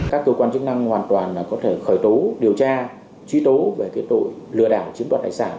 các cơ quan chức năng hoàn toàn có thể khởi tố điều tra truy tố về cái tội lừa đảo chiếm đoạt tài sản